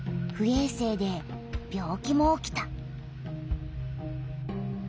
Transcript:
えい生で病気も起きた。